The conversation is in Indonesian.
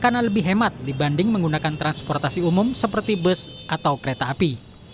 karena lebih hemat dibanding menggunakan transportasi umum seperti bus atau kereta api